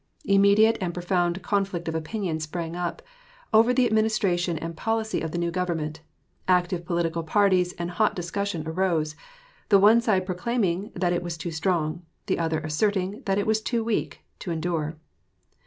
Immediate and profound conflict of opinion sprang up over the administration and policy of the new Government; active political parties and hot discussion arose, the one side proclaiming that it was too strong, the other asserting that it was too weak, to endure.